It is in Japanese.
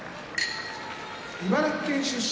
茨城県出身